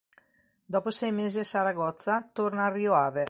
Dopo sei mesi a Saragozza torna al Rio Ave.